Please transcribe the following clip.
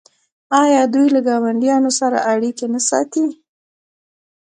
آیا دوی له ګاونډیانو سره اړیکې نه ساتي؟